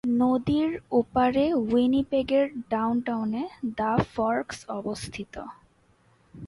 নদীর ওপারে উইনিপেগের ডাউনটাউনে the forks অবস্থিত।